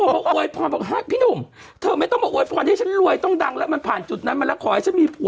โอ้ยโอยพรบอกห้าพี่หนุ่มเธอไม่ต้องบอกโอ๊ยฟรอนใช่ไหมฉันรวยต้องดังแล้วมันผ่านจุดนั้นมันรักขอให้ฉันมีผัว